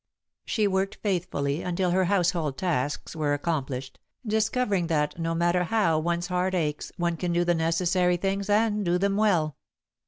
She worked faithfully until her household tasks were accomplished, discovering that, no matter how one's heart aches, one can do the necessary things and do them well.